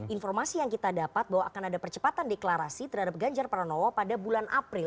informasi yang kita dapat bahwa akan ada percepatan deklarasi terhadap ganjar pranowo pada bulan april